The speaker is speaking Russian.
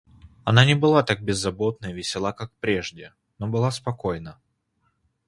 Она не была так беззаботна и весела как прежде, но была спокойна.